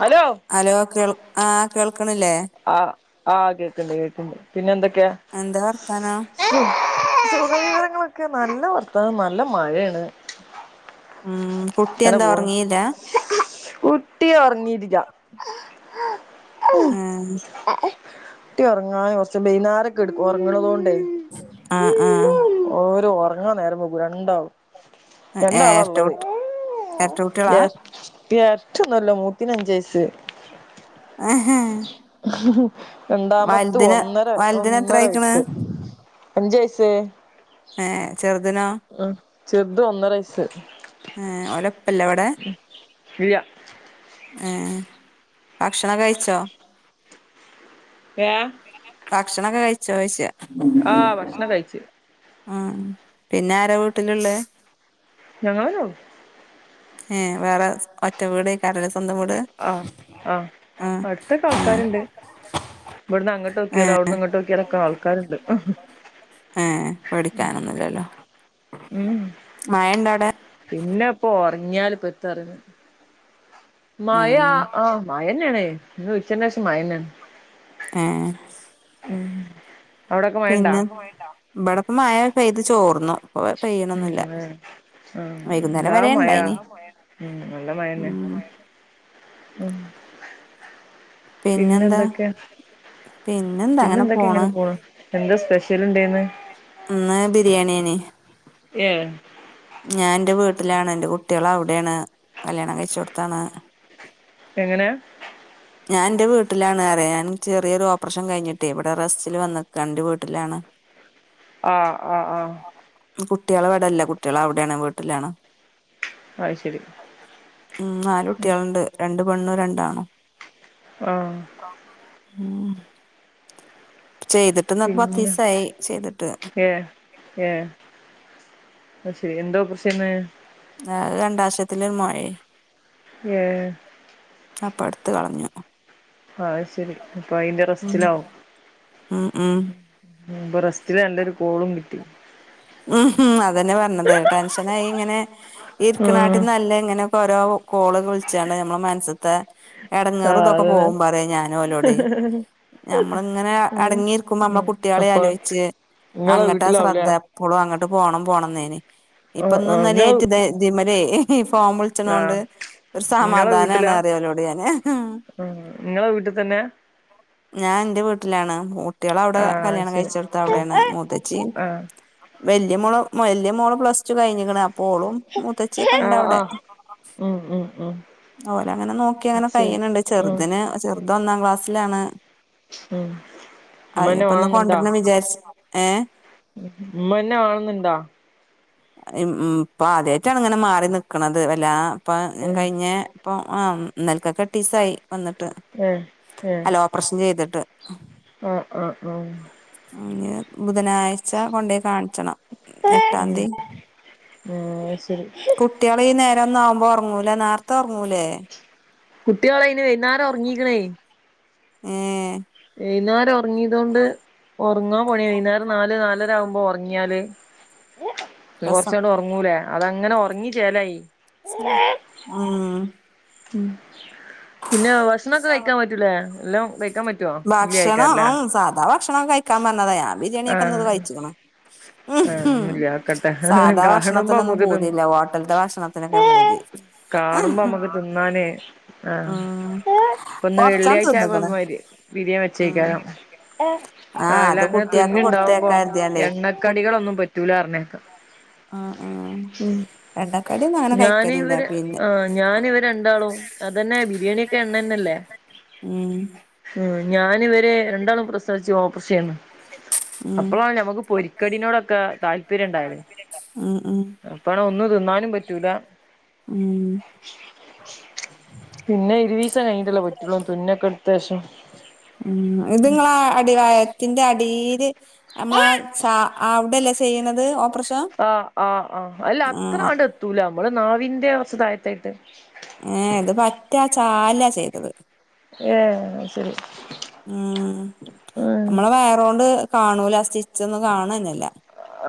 Hello hello കേൾ ആഹ് കേൾക്കണില്ലേ ആഹ് ആഹ് കേക്ക്‌ണ്ട് കേക്ക്‌ണ്ട് പിന്നെ എന്തൊക്കെയാ? എന്താ വർത്താനം സുഖവിവരങ്ങളൊക്കെ നല്ല വർത്താനം നല്ല മഴാണ് ഉം കുട്ടി എന്താ ഉറങ്ങീല കുട്ടിയ ഉറങ്ങിട്ടില്ല ആഹ് കുട്ടി ഉറങ്ങാൻ കുറച്ച് വൈുന്നേരംക്കെ എടുക്കും ഉറങ്ങണത് കൊണ്ടേ ആഹ് ആഹ് ഓര് ഒറങ്ങാൻ നേരം പോക്കും രണ്ടാവും ഏരട്ട കു ഏരട്ട കൂട്ടികളാ എരട്ടയൊന്നുല്ല മൂത്തനഞ്ച് വയസ് ആഹാ രണ്ടാമത്ത് ഒന്നര വലുതിന് എത്ര ഒന്നര ആയിക്കണ് വയസ്സ് അഞ്ച് വയസ് ഏഹ ചെറുതിനോ ആഹ് ചെറുത് ഒന്നര വയസ് ഏ ഓലപ്പല്ലേ ഇവിടെ മ് ഏഹ് ഭക്ഷണം കഴിച്ചോ ഏഹ് ഭക്ഷണൊക്കെ കഴിച്ചോയിച്ചയ ആഹ് ഭക്ഷണം കഴിച്ച് ആഹ് പിന്നെ ആര വീട്ടിലുള്ളേ ഞങ്ങളെലോ ഏ വേറെ ഒറ്റ വീട് [unintelligible] സ്വന്തം വീട് ഓ ഓ ആ അടുത്തൊക്കെ ആൾക്കാരുണ്ട് ഇവിടുന്ന് അങ്ങോട്ട് നോക്കിയാലും അവിടുന്ന് ഇങ്ങോട്ട് നോക്കിയാലൊക്കെ ആൾക്കാരുണ്ട് ഏഹ് പേടിക്കാനൊന്നുംല്ലല്ലോ മഴണ്ട അവിടെ പിന്നെപ്പോ ഉറങ്ങിയാല് പ്പത്ത പറയ്ന്ന്‌ മയ ഉം ആഹ് മയന്നെയാണേ ന്ന് ഉച്ചേന്റെ ശേഷം മയന്നാണ് ഏഹ് ഉം അവിടൊക്കെ മഴണ്ടാ പിന്നെ ഇവിടെപ്പ മയ പെയ്ത് ചോർന്നു ഇപ്പൊ ഉം പെയ്യണൊന്നില്ല ആഹ് വൈകുന്നേരം എന്താ വരെ മഴ ണ്ടായിന് ഉം നല്ല മഴന്നെ ഉം പിന്നെ പിന്നെന്താ എന്തൊക്കെ പിന്നെന്താ പിന്നെ അങ്ങനെ എന്തൊക്കെ പോണ് ഇങ്ങനെ പോണു. എന്താ സ്പെഷ്യൽ ഉണ്ടെന്ന്? ഇന്ന് ബിരിയാണിയേനി. ഏ ഞാൻ എൻറെ വീട്ടിലാണ് എൻറെ കുട്ടികള അവിടെയാണ് കല്യാണം കഴച്ചോട്ത്താണ്. എങ്ങനെ ഞാൻ എന്റെ വീട്ടിലാണ് പറി ഞാൻ ചെറിയൊരു ഓപ്പറേഷൻ കഴിഞ്ഞിട്ടേ ഇവിടെ റസ്റ്റില് വന്ന്ക്ക എന്റെ വീട്ടിലാണ്. [inaudible] ആ ആ ആ കുട്ടിള് ഇവിടല്ല കുട്ടിള് അവിടെയാണ് വീട്ടിലാണ്. അത് ശരി മ് നാല് കുട്ടികളുണ്ട് രണ്ട് പെണ്ണും രണ്ടാ ആണും. ആ ഉം ചെയ്തിട്ട് ന്ന് പത്ത് പിന്നെ ദിവസായി ചെയ്തിട്ട് ഏ ഏ അഹ്ശരി, എന്തോ ഓപ്രശ്ന്ന്? അഹ് അണ്ഡാശയത്തിൽ ഒരു മെഴേ ഏ അപ്പൊ എടുത്ത് കളഞ്ഞു ആഹ ശെരി അപ്പൊ അയിന്റെ ഉം റെസ്റ്റിലാവും ഉം ഉം ഇപ്പൊ റസ്റ്റില് രണ്ടരു കോളും കിട്ടി ഉം അതന്നെ പറഞ്ഞത് ടെൻഷനായി ഇങ്ങനെ ഈ ഉം ഇരുക്കനാട്ടിൽന്നല്ല ഇങ്ങനെ. ഓരോ കോള് വിളിച്ചണ്ട് നമ്മുടെ മന്സ്സത്തെ ആ എടങ്ങേറും ഇതൊക്കെ അതന്നെ പോവും പറയാ ഞാന് ഓലോടെ നമ്മള ഇങ്ങനെ അടങ്ങിയിരിക്കുമ്പോ നമ്മളെ കുട്ടികളെ അപ്പൊ ആലോചിച്ച് നിങ്ങളെ അങ്ങട്ട് വീട്ടിലാവൂലേ ശ്രദ്ധ ആ എപ്പോ എപ്പളും അങ്ങോട്ട് പോണം പോണം എന്നേനി ഇപ്പൊന്നും ആ നിങ്ങള് ഇന്നലെയിട്ട് ഇതേ ഇതിമ്മലേ ഫോഫോൺ വി ആ ളിച്ചിനോണ്ട് ഒരു നിങ്ങളെ സമാധാനാണ് വീട്ടിലാ അറിയ ഒലോട് ഞാന് ആ നിങ്ങളെ വീട്ടിൽ തന്നെ ഞാൻ എന്റെ വീട്ടിലാണ് കുട്ടികള അവിടെ ആ കല്യാണം ശരി കഴിച്ചെടുത്ത അവിടെയാണ്. മുത്തച്ചി ആ വല്യയ മോള് വല്യയ മോള് പ്ലസ് ടു കഴിഞ്ഞിക്ക്ണ അപ്പോ ഓളും മുത്തച്ചിയക്കെ ആ ഉണ്ട ആ അവിടെ. ഉം ഉം ഉം ഓല അങ്ങനെ നോക്കി അങ്ങനെ ശരി കഴിണ് ണ്ട് ഉം ചെറുതിന് ചെറു ന് ഒന്നാം ക്ലാസ്സിലാണ് ഉം ഉമ്മന്നെ അയിനിപ്പ ഒന്ന് വേണന്നുണ്ടാ കൊണ്ടുരണം വിചാരിച്ച ഏ ഉമ്മന്നെ വേണന്നുണ്ടാ ഇപ്പൊ ആദ്യായിട്ടാണ് ഇങ്ങനെ മാറി നിക്ക്ണത് വല്ലാ അപ്പ ഏ കഴിഞ്ഞ ഇപ്പം ആ ഇന്നൽക്കൊക്കെ എട്ടിസായി വന്നിട്ട്. ഏ എ പ്രശം ചെയ്തിട്ട് അ ആ അം ഇനി ബുധനാഴ്ച കൊണ്ടപോയി കാണിച്ചണം എട്ടാന്തി. ഏ ആഹ് ശരി കുട്ടിള് ഈ നേര ഒന്നു ആവുമ്പോ ഒറങ്ങൂല നേരത്തെ ഒറങ്ങൂലേ? കുട്ടീള് അയിന് വൈന്നേരം ഒറങ്ങീക്ക്ണേ ഏ വൈന്നേരം ഒറങ്ങിത കൊണ്ട് ഒറങ്ങാൻ പണിയി വൈന്നേരം നാല് നാലര ആകുമ്പോൾ ഒറ ങ്ങിയാല് രസം കൊറച്ചാണ്ട് ഒറങ്ങൂലേ അതങ്ങനെ ഒറങ്ങി ചേലായി. മ് ഉം പിന്നെ ഭക്ഷണം കഴിക്കാൻ പറ്റൂലേ എല്ലാം കഴിക്കാൻ പറ്റും ഭക്ഷണം ആഹ് സാധാ ഭക്ഷണം കഴിക്കാൻ പറഞ്ഞതാ ഞാൻ ബിരിയാണിയക്കെന്നത് ആഹ് കഴിചേക്കുന്നു ആഹ് ഉം ഒന്നുല്ല ആക്കട്ടെ സാധാ കാണുമ്പോ ഭക്ഷണത്തിനൊന്നും നമ്മക്ക് തിന്ന് പോതില്ല ഹോട്ടലിന്റെ ഭക്ഷണത്തിനൊക്കെ പൂതി- കാണുമ്പോ നമ്മുക്ക് തിന്നാനേ ആഹ് ഉം ഇപ്പ ഒന്ന് കൊറച്ചാണ് വെള്ളിയാഴ്ച ആഹ് തിന്ന്ക്കണ് വര് ബിരിയാണി ഉം വെച്ചേക്കാരം ആ അല്ല അത് അങ്ങനെ കുട്ടികൾക്ക് തുന്നി കൊടുത്തേക്കാ ഉണ്ടാവുമ്പോ കരുതിയാണ്ടേ എണ്ണക്കടികളൊന്നും പറ്റൂല പറിനേക്കാ ആഹ് ആഹ് ഞാനെ ഇവര് ആഹ് ഞാനെ ഇവരെന്താണോ അതന്നെ ബിരിയാണി എണ്ണന്നല്ലേ ഉം ഉം ഞാൻ ഇവരെ രണ്ടാളും പ്രസവിച്ച് ഓപ്പറേഷൻ ചെയ്യുന്നു ഉം അപ്പോളാണ് മ്മക്ക് പോരി ക്കടിനോടൊക്കെ താല്പര്യം ഉണ്ടായിരുന്നു ഉം ഉം അപ്പണ ഒന്നും തിന്നാനും പറ്റൂല ഉം പിന്നെ ഇരുവീസം കഴിഞ്ഞട്ടല്ലോ പറ്റുള്ളൂ തുന്നൊക്കെ അടുത്തശം ഉം ഇതെങ്ങളെ അടിവയറിന്റെ അടിയിലെ നമ്മളെ സാ അവിടെല്ലേ ചെയ്യണന്നത് ആഹ് ആഹ് ആഹ് അല്ല ആഹ് അത്രാണ്ട് എത്തൂല നമ്മളെ നാവിന്റെ വച്ചതായത്തായിട്ട് ഏഹ് ഇത് പറ്റ ചാലാ ചെയ്തത് ഏഹ് ശരി ഉം ഉം നമ്മള് വയറുണ്ട് കാണൂല സ്റ്റിച്ച് ഒന്നും കാണന്നില്ല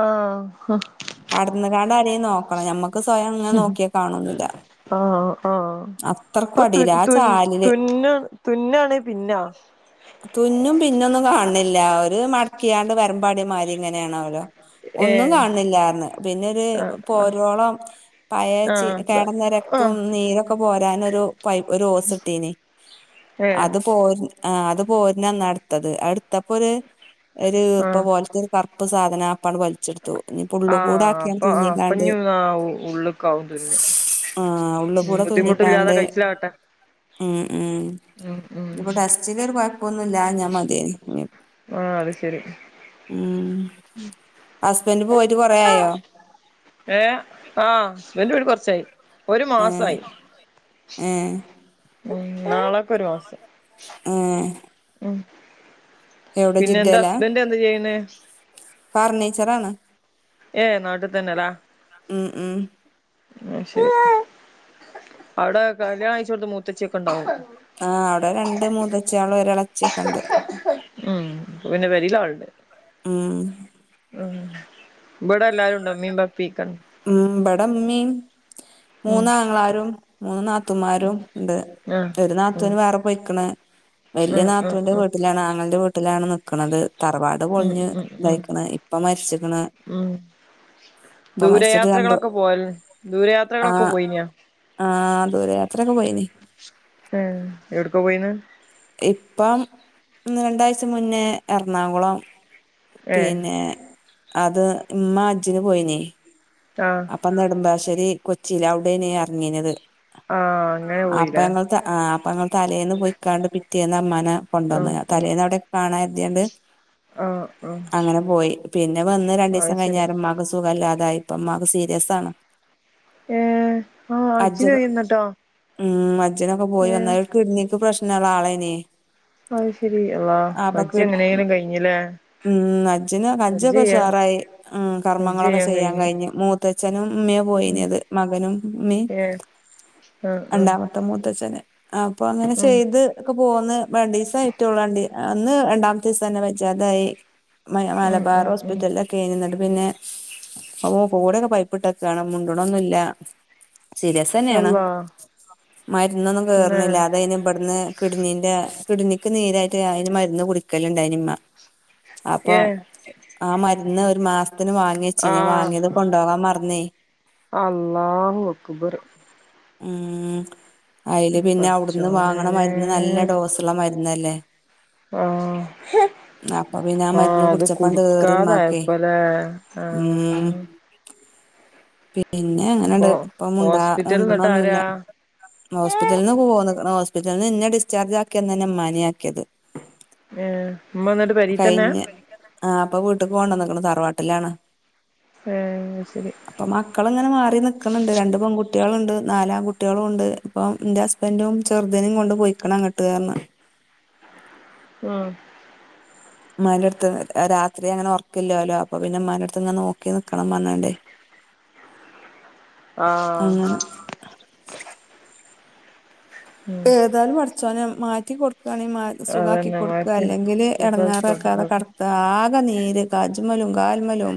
ആഹ് കടന്ന കാട് ആരെയും നോക്കണം ഞമ്മക്ക് സ്വയം അങ്ങനെ നോക്കിയാ കാണന്നില്ല ആഹ് ആഹ് അപ്പൊ അടീലാ ആ ചാലില് തുന്ന തുന്നാണ പിന്നാ തുന്നു പിന്നൊന്നും കാണണില്ല ഒരു മടക്കിയാണ്ട് വരമ്പാടിമാതി ഇങ്ങനെയാണോ ഒന്നും ഏഹ് കാണണില്ലായിരന്ന് പിന്നെ ഒരു ആഹ് പോരോളം പഴയ ചോ ആഹ് കേടന്ന ആഹ് രക്തവും നീരും ഇപ്പം പോരാന പൈപ്പ് ഒരു ഓസ് ഇട്ടനെ ഏഹ് അത് പോ ആഹ് അത് പോര്ന്നന്ന അടുത്തത് അടുത്തപ്പോ ഒരു ഒരുറപ്പ ആഹ് പോലത്തെ കറുപ്പ് സാധനം ആപ്പാണ്ല വച്ചെടുത്തു ഇനി പുള്ള കൂട ആഹ് ആക്കിയ അപ്പൊ ആഹ് തോന്നിക്കാണ്ട് അപ്പഞ്ഞ് ആ ഉള്ള്ക്കാവും തിന്ന് ആഹ് ഉള്ള ഉം കൂടെ ബുദ്ധിമുട്ടില്ലാതെ തുന്നിക്കാണ്ട് കഴിച്ചിലാവട്ടെ ഉം ഉം ഉം ഉം ഇവിടെ ചിലർ കുഴപ്പൊന്നുമില്ല ഞാൻ മതിയായിരുന്നു ആഹ് അത് ശരി ഹസ്ബൻഡറ് പോയിട്ട് കൊറെയായോ ഏഹ് ആഹ് ഹസ്ബൻഡ് പോയിട്ട് കുറച്ചായി ഒരു മാസായി ഏ ഉം നാളൊക്കെ ഒരു മാസം ഏ ഉം പിന്നെ എന്താ ഹസ്ബന്റ് എന്താ ചെയ്യുന്നേ ഫർണിച്ചർ ആണ് ഏയ് നാട്ടിൽ തന്നെല്ലാ ഉം ഉം അത് ശരി അവിടെ കല്യാണാഴിച്ചോടുത്താ മൂത്തച്ച്ചിയൊക്കെ ഉണ്ടാവും ആഹ് അവിടെ രണ്ട് മൂന്നച്ചി ആള് ഒരു എളച്ചിയൊക്കെ ഉണ്ട് ഉം പിന്നെ പേരിൽ ആളുണ്ട് ഉം ഉം ഇവടെ എല്ലാരുംണ്ടോ ഇമ്മീ വാപ്പി ക്കേ ഉം ഇബടെ ഇമ്മീം മൂന്നാങ്ങളാരും മൂന്നാത്തുമാരും ണ്ട്. ആഹ് ഒരു ഉം നാത്തൂന് വേറെ പൊയ്ക്ക്ണ്. വെല്യ ഉം ഉം നാതൂന്റെ വീട്ടിലാണ്. ആങ്ങളന്റെ വീട്ടിലാണ് നിക്ക്ണത്. തറവാട് ഉം പൊളിഞ് ഉം ഉം ഉം തായിക്ക്ണ്. ഇപ്പ മരിച്ച്ക്ണ്. ഉം രണ്ട് ദൂരയാത്രകളൊക്കെ പോവൽ ദൂരയാത്രകളൊക്കെ പോയീനിയോ. ആഹ് ദൂരെ യാത്രക്കെ പോയീനി. ഉം എവിടക്കേ പോയീണ്. ഇപ്പം ഒന്ന് രണ്ടാഴ്ച മുന്നേ എറണാകുളം. ഏ പിന്നെ അത് ഇമ്മ അജ്ജിന് പോയീനി. ആഹ് അപ്പം നെടുമ്പാശ്ശേരി കൊച്ചീല് അവിടേനി എർങ്ങീനത്. ആഹ് അങ്ങനെ പോയീലേ. ആഹ് അപ്പൊ ഞങ്ങൾ തലേന്ന് പോയിക്കാണ്ട് പിറ്റേന്ന് മ്മനേ ആ കൊണ്ടെന്ന. തലേന്ന് അവിടെ കാണാകര്തിയാണ്ട് ആ ആ ആ അങ്ങനെ പോയി. പിന്നെ വന്ന് രണ്ടീസം അത് ശരി കഴിഞ്ഞേരം മ്മക്ക് സുഖ സുഖല്ലാതായി. പ്പ മ്മാക്ക് സീരിയസാണ്. ഏഹ് ആഹ് ഹജ്ജിന് പോയി വന്നിട്ടോ? ഉം ഹജ്ജ്നൊക്കെ പോയി വന്നാര. ഒരു കിഡ്‌നിക്ക് പ്രശ്നള്ള ആളെനി. അഹ് ശെരി. അള്ളാ ഹജ്ജ് എങ്ങനെലും കഴിഞ്ഞി ല്ലേ. ഉം ഹജ്ജന് ഹഞ്ജൊക്കെ ഉഷാറായി. ഉം കർമ്മങ്ങളൊക്കെ ചെയ്യാൻ കഴിഞ്ഞു. മൂത്തച്ഛനും മ്മയും ഉം പോയീനത്. മകനും ഉമ്മീ ഏ ആ ആ രണ്ടാവ മൂത്തച്ഛന് അപ്പൊ അങ്ങനെ ഉം ചെയ്ത്. ഒക്കെ പോന്ന്. പ്പ രണ്ടീസയിട്ടുള്ളു. രണ്ടീ അന്ന് രണ്ടാമത്തെ ദിവസം തന്നെ വജാതായി. മ ഉം മലബാർ ഉം ഉം ഹോസ്പിറ്റലിലോക്കെനി ന്നട്ട് പിന്നെ ഓഹ് കൂടെ പൈപ്പിട്ടൊക്കെണ്. മുണ്ട്ണൊന്നില്ല. സീരിയസ് തന്നെണ്. അള്ളാ മര്ന്നൊന്നും ന്നെ കേർന്നില്ല. അതെന്നേ ഇവട്ന്ന് കിഡ്നീന്റെ കിഡ്നിക്ക് നീരായിട്ട് അയിന് മരുന്ന് കുടിക്കലുണ്ടായിന് മ്മ അപ്പൊ ഏ ആ മരുന്ന് ഒരു മാസത്തിന് വാങ്ങിവെച്ചിനി. വാങ്ങിയത് കൊണ്ടോവാൻ മർന്നേ. അള്ളാഹു അക്ബർ. ഉം അയില് പിന്നെ അവ്ട്ന്ന് പടച്ചോനെ വാങ്ങണ മരുന്ന്ന് നല്ല ഡോസ് ള്ള മരുന്നല്ലേ ആഹ് അപ്പൊ പിന്നെ ആ മരുന്ന് ആഹ് അത് കുടിച്ചപ്പണ്ട് ഏറി ഇമ്മാക്കെ കുടിക്കാതായപ്പ ലെ ആഹ് ഉം പിന്നെ അങ്ങനാണ്ട്. അപ്പൊ പ്പം മുണ്ടാ ഹോസ്പിറ്റൽ ന്നിട്ട് മുണ്ട്ണൊന്നുല്ല. ആരാ ഹോസ്പിറ്റൽന്ന് പോന്ന്ക്ക്ണ്. ഹോസ്പിറ്റൽന്ന് ന്നെ ഡിസ്ചാർജാക്കിയന്നെന്നെ മ്മാനിം ആക്കിയത്. ഏഹ് മ്മാന്നട്ട് പെരീ തന്നെ? ആഹ് പ്പൊ വീട്ട്ക് കൊണ്ടന്ന്ക്ക്ണ്. തറവാട്ടിലാണ്. ആഹ് അയ്ശേരി പ്പൊ മക്കള് ങ്ങനെ മാറി നിക്കണ് ണ്ട്. രണ്ട് പെൺകുട്യള്ണ്ട്. നാല് ആൺകുട്യളൂണ്ട്. പ്പം ന്റെ ഹസ്ബന്റും ചെറുതിനിം കൊണ്ട് പോയിക്ക്ണ് അങ്ങട്ട് ർഞ്. ഉം മ്മാന്റെ അടുത്ത് രാത്രി അങ്ങനെ ഉറക്കില്ലാലോ. അപ്പൊ പിന്നെ മ്മാന്റടുത്ത് ഇങ്ങനെ നോക്കി നിക്കണം പറഞ്ഞാണ്ടേ [inaudible] ആഹ് അങ്ങനെ ഉം ഏതാലും പടച്ചോനെ മാറ്റി കൊടുക്കുവാണെങ്കിൽ മാറ്റി സുഖാക്കി അതന്നെ മാറ്റി അല്ലെങ്കില് എടങ്ങേറാക്കാതെ സുഖായിക്കോട്ടെ കടക്ക ആകെ നീര് കജ്മലും കാൽമലും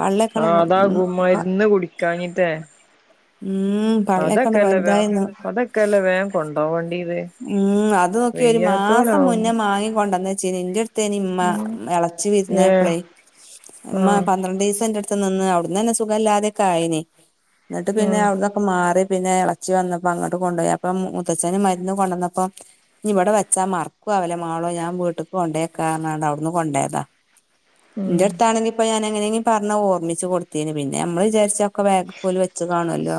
പള്ളേക്കണ ആഹ് അതാകും മരുന്ന് കുടിക്കാഞ്ഞിട്ടേ ഉം പള്ളയൊക്കെങ്ങ് വലുതായിന്ന് ഒക്കല്ലേ വേഗം കൊണ്ടോവേണ്ടിയത് ഉം അത് നോക്കി ഒരു മാസം മുന്നേ മാങ്ങി കൊണ്ടെന്ന് വെച്ചിന് എന്റെ അടുത്തേനി ഇമ്മ ഉം ഇളചി വരുന്ന് ഏഹ് പ്പോള് ഇമ്മ ആഹ് പന്ത്രണ്ടീസം എന്റെടു നിന്ന് അവിട്ന്ന് തന്നെ സുഗം ഇല്ലാതെക്കെയായിനി എന്നിട്ട് പിന്നെ ആഹ് അവിട്ന്നൊക്കെ മാറി പിന്നെ ഇളയച്ചി വന്നപ്പോ അങ്ങോട്ട് കൊണ്ടു പോയി അപ്പ മൂത്തച്ഛന് മരുന്ന് കൊണ്ടുവന്നപ്പോം ഇനി ഇവിടെ വച്ചാ മറക്കും അവലെ മോളെ ഞാൻ വീട്ടക്ക് കൊണ്ടെക്കാ പറഞ്ഞണ്ട് അവിടുന്ന് കൊണ്ടോയത ഉം എന്റെടുത്ത് ഇിട്ടാണെങ്കിപ്പ ഞാനെങ്ങനേന് പറഞ്ഞ് ഓർമ്മിച്ചു കൊടുത്തേന് പിന്നെ അമ്മളു വിചാരിച്ച് ഒക്കെ വേഗക്കോല് വെച്ചതാണല്ലോ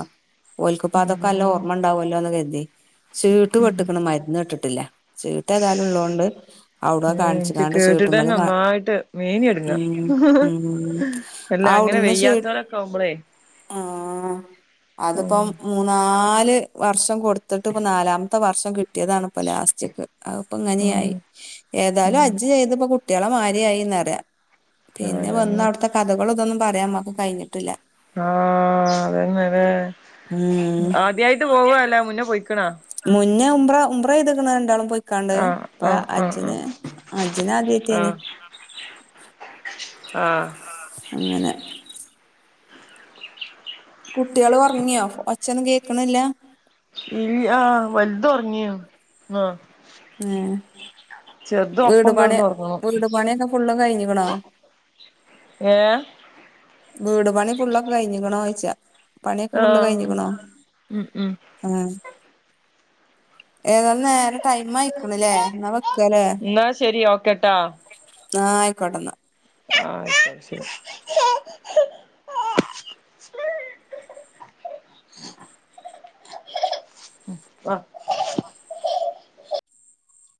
ഓൽക്ക്‌ ഇപ്പതൊക്കെ നല്ല ഓർമ്മ ഉണ്ടാവുമല്ലോന്ന് കരുതി ചീട്ട് വെട്ടിക്കാണ് മരുന്ന് ഇട്ടിട്ടില്ല ചീട്ടേതായാലും ഉള്ളോണ്ട് അവിട് എനിക്ക് കേട്ടിട്ട് തന്നെ ഒന്നായിട്ട് മേനി എടുന്നു ഉം ഉം അല്ല അങ്ങനെ അവിടുന്ന് വെയ്യാത്തോരൊക് ചീ ക്കാവുംമ്പളേ ആഹ് ഉം അതിപ്പം മൂന്നാല് വർഷം കൊടുത്തിട്ടിപ്പ നാലാമത് വർഷം കിട്ടിയതണിപ്പ ലാസ്റ്റിക്കെ അയിപ്പം ഉം ഇങ്ങനെയായി ഏതായാലും ഉം ഹജ്ജ് ചെയ്തപ്പോ കുട് കുട്ടികള് മാരി ആയീന്നറിയ പിന്നെ വന്ന് അതന്നെ അവിടുത്തെ കഥകൾ ഇതൊന്നും പറയാ ഉമ്മാക്ക് കഴിഞ്ഞിട്ടില്ല. ആഹ് അതന്നതെ ഉം ആദ്യായിട്ട് പോവല്ലേ മുന്നേ പൊയ്ക്കണോ? മുന്നേ ഉംറ ചെയ്തേക്കണ രണ്ടാളും പൊയ്ക്കണ്ട്. ആഹ് അപ്പ ആഹ് ആഹ് ഹജ്ജിന് ആഹ് ആദ്യട്ടെനി ആഹ് ആഹ് അങ്ങനെ കുട്ടികള് ഒറങ്ങിയോ ഒച്ചയൊന്നും കേക്കണില്ല ഇല്ലിയ വലുതുറങ്ങി ആഹ് ഏഹ് ചെറുത് വീട് ഒപ്പം പണി കിടന്ന് ഉറങ്ങണം ഒക്കെ ഫുള്ളും കഴിഞ്ഞേക്കണോ? ഏഹ് വീട് പണി ഫുള്ളൊക്കെ കഴിഞ്ഞേക്കണോ ചോയിച്ചാ പണി ഒക്കെ ഫുള്ള് ആഹ് കഴിഞ്ഞേക്കണോ? ഉം ഉം ആ ഏതാന്നെ നേരെ ടൈം ആയേക്കണ് അല്ലേ എന്ന എന്നാ ശരി ഓക്കേ ട്ടോ ആഹ് ആയിക്കോട്ടെന്നാ ആഹ് ശരി ആഹ്